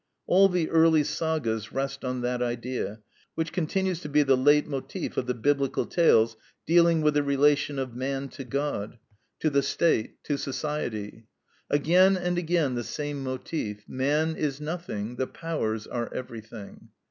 All the early sagas rest on that idea, which continues to be the LEIT MOTIF of the biblical tales dealing with the relation of man to God, to the State, to society. Again and again the same motif, MAN IS NOTHING, THE POWERS ARE EVERYTHING.